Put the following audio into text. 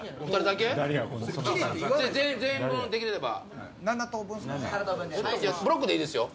全員分できれば。